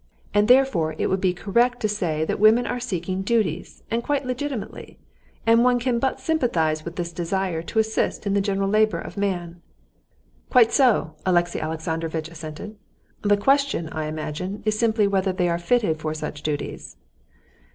And therefore it would be correct to say that women are seeking duties, and quite legitimately. And one can but sympathize with this desire to assist in the general labor of man." "Quite so," Alexey Alexandrovitch assented. "The question, I imagine, is simply whether they are fitted for such duties."